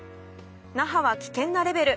那覇は危険なレベル。